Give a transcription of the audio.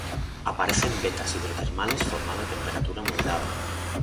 Aparece en vetas hidrotermales formado a temperatura moderada.